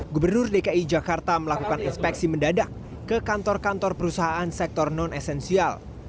gubernur dki jakarta melakukan inspeksi mendadak ke kantor kantor perusahaan sektor non esensial